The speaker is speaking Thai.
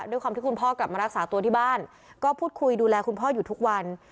ด้วยความที่คุณพ่อกลับมารักษาตัวที่บ้านก็พูดคุยดูแลคุณพ่ออยู่ทุกวัน